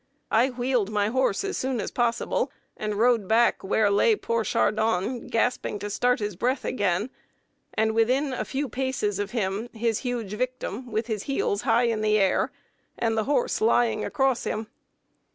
I wheeled my horse as soon as possible and rode back where lay poor Chardon, gasping to start his breath again, and within a few paces of him his huge victim, with his heels high in the air, and the horse lying across him.